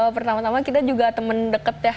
pertama tama kita juga temen deket ya